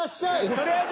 とりあえず。